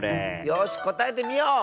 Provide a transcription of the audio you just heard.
よしこたえてみよう！